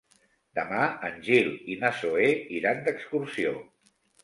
Demà en Gil i na Zoè iran d'excursió.